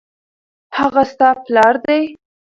هغه ستا پلار دی